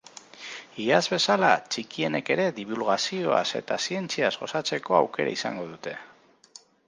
Iaz bezala, txikienek ere dibulgazioaz eta zientziaz gozatzeko aukera izango dute.